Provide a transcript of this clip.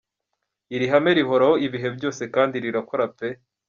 Iri hame rihoraho ibihe byose kandi rirakora pe.